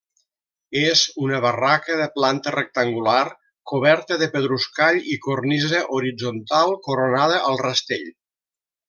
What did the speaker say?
És una barraca de planta rectangular, coberta de pedruscall i cornisa horitzontal coronada al rastell.